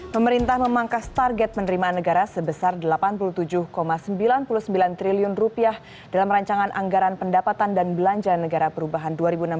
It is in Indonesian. pemerintah memangkas target penerimaan negara sebesar rp delapan puluh tujuh sembilan puluh sembilan triliun dalam rancangan anggaran pendapatan dan belanja negara perubahan dua ribu enam belas